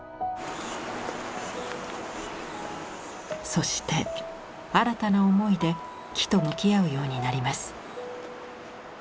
そして新たな思いで木と向き合うようになります。